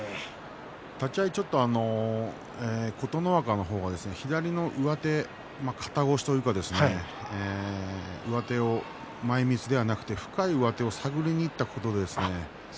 立ち合いちょっと琴ノ若の方が左の上手肩越しというか上手を前みつではなくて深い上手を探りにいったことですね。